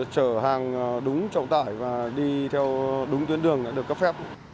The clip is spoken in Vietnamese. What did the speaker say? chở hàng đúng trọng tải và đi theo đúng tuyến đường đã được cấp phép